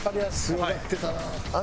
強がってたなあ。